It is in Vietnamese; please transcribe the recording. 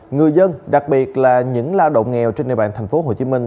người dân đặc biệt là những lao động nghèo trên địa bàn thành phố hồ chí minh